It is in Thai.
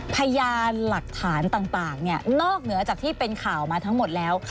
พยานหลักฐานต่างนอกเหนือจากที่เป็นข่าวมาทั้งหมดแล้ว